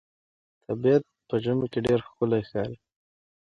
طبیعت په ژمي کې ډېر ښکلی ښکاري.